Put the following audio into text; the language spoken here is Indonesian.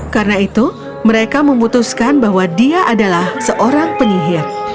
karena itu mereka memutuskan bahwa dia adalah seorang penyihir